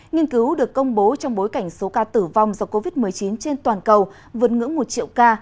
nghiên cứu được công bố trong bối cảnh số ca tử vong do covid một mươi chín trên toàn cầu vượt ngưỡng một triệu ca